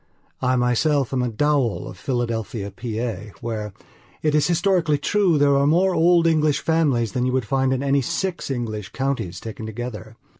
I myself am a Dowell of Philadelphia, Pa., where, it is historically true, there are more old English families than you would find in any six English counties taken together.